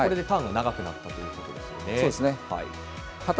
ターンが長くなったということですね。